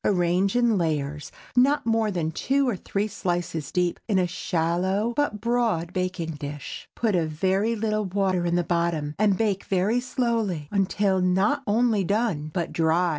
Arrange in layers—not more than two or three slices deep—in a shallow but broad baking dish. Put a very little water in the bottom, and bake very slowly until not only done, but dry.